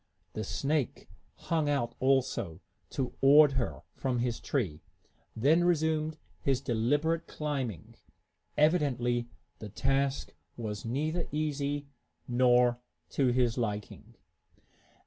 The snake hung out, also, toward her, from his tree, then resumed his deliberate climbing. Evidently the task was neither easy nor to his liking.